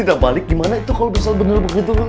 ini tidak balik gimana itu kalau bisa bener begitu